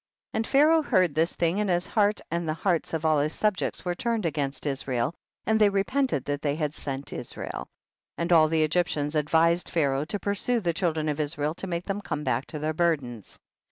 And Pharaoh heard this thing, and his heart and the hearts of all his subjects were turned against Is rael, and they repented that they had sent Israel ; and all the Egyptians advised Pharaoh to pursue the chil dren of Israel to make them come back to their burdens.